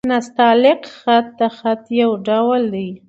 نستعلیق خط؛ د خط يو ډول دﺉ.